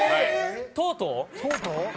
とうとう？